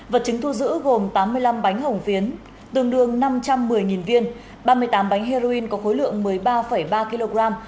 vật chứng thu giữ gồm tám mươi năm bánh hồng phiến tương đương năm trăm một mươi viên ba mươi tám bánh heroin có khối lượng một mươi ba ba kg